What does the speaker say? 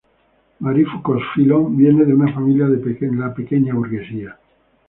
Marie Foucaux-Filon viene de una familia de la pequeña burguesía.